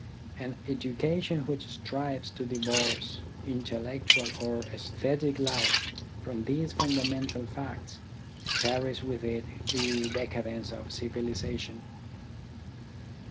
An education which strives to divorce intellectual or aesthetic life from these fundamental facts carries with it the decadence of civilisation.